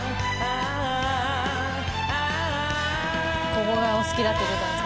ここがお好きだって事ですね